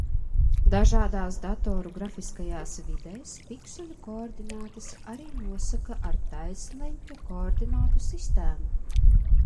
Dažādās datoru grafiskajās vidēs, pikseļu koordinātas arī nosaka ar taisnleņķa koordinātu sistēmu.